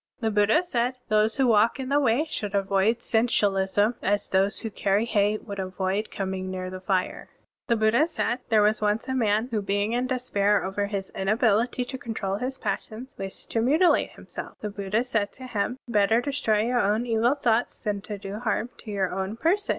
'* (30) The Buddha said: "Those who walk in the Way should avoid sensualism as those who carry hay would avoid coming near the fire." (31) The Buddha said: "There was once a man who, being in despair over his inability to control his passions, wished to mutilate himself.* The Buddha said to him: 'Better destroy your own evil thoughts than do harm to your own person.